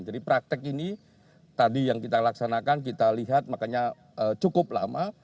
jadi praktek ini tadi yang kita laksanakan kita lihat makanya cukup lama